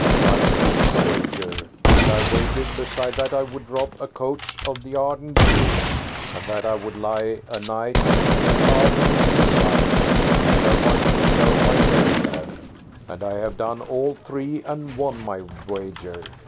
I took the wager. And I wagered beside that I would rob a coach of the Arden jewels, and that I would lie a night at Arden beside, and no one should know my name there. And I have done all three and won my wager.